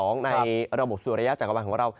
ในระบบสู่ระยะจังหวังของเรา